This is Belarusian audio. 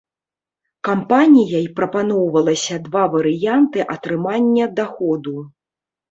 Кампаніяй прапаноўвалася два варыянты атрымання даходу.